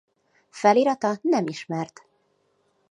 Felirata nem ismert.